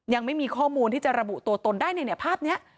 ยังไม่มีข้อมูลที่จะระบุตัวตนได้ในภาพนี้